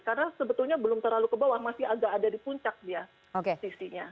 karena sebetulnya belum terlalu ke bawah masih agak ada di puncak ya sisinya